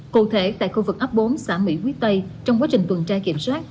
cụ thể tại khu vực ấp bốn xã mỹ quý tây trong quá trình tuần trai kiểm soát